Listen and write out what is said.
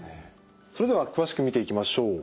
それでは詳しく見ていきましょう。